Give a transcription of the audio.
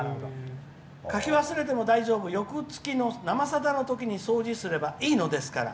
書き忘れても大丈夫よく月の「生さだ」の日に掃除すればいいのですから。